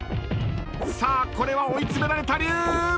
［さあこれは追い詰められたＲＹＵ！］